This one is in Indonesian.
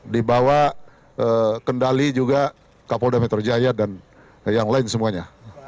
dibawa kendali juga kapolda metro jaya dan yang lain semuanya